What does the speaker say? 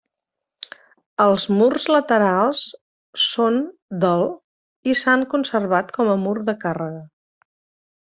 Els murs laterals són del i s'han conservat com a mur de càrrega.